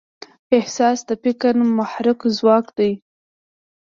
احساس د فکر محرک ځواک دی.